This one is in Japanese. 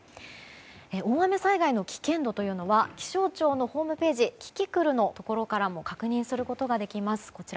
大雨災害の危険度というのは気象庁のホームページキキクルのところからも確認することができます。